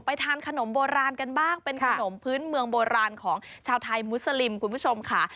ทานขนมโบราณกันบ้างเป็นขนมพื้นเมืองโบราณของชาวไทยมุสลิมคุณผู้ชมค่ะ